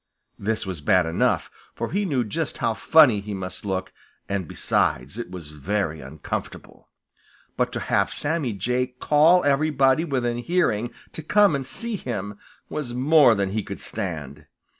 This was bad enough, for he knew just how funny he must look, and besides, it was very uncomfortable. But to have Sammy Jay call everybody within hearing to come and see him was more than he could stand.